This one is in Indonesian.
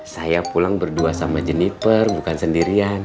saya pulang berdua sama jenniper bukan sendirian